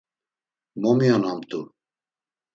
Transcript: Momiyonamt̆u.